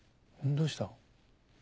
どうした？